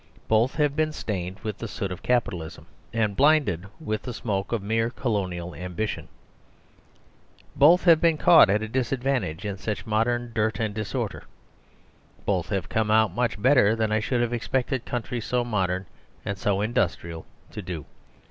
Both have been stained with the soot of Capitalism and blinded with the smoke of mere Colonial ambition; both have been caught at a disadvantage in such modern dirt and disorder; both have come out much better than I should have expected countries so modern and so industrial to do.